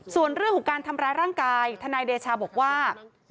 ส่วนเรื่องของการทำร้ายร่างกายทนายเดชาบอกว่า